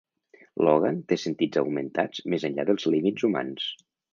Logan té sentits augmentats més enllà dels límits humans.